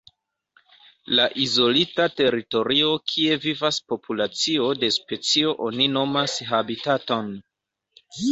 La izolita teritorio kie vivas populacio de specio oni nomas habitaton.